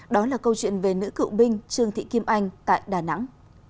đó là câu chuyện về nữ cựu binh trương thị kim anh tại đà nẵng